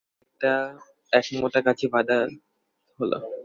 তাতে এক মোটা কাছি বাঁধা হল।